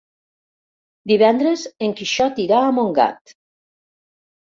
Divendres en Quixot irà a Montgat.